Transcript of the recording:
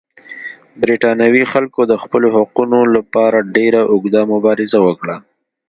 برېټانوي خلکو د خپلو حقونو لپاره ډېره اوږده مبارزه وکړه.